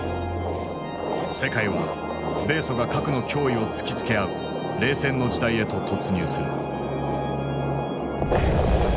世界は米ソが核の脅威を突きつけ合う「冷戦の時代」へと突入する。